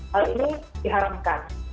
hal ini diharamkan